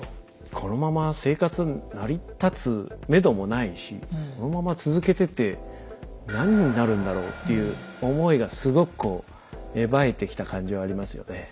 このまま生活成り立つめどもないしこのまま続けてて何になるんだろうっていう思いがすごくこう芽生えてきた感じはありますよね。